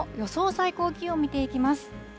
最高気温見ていきます。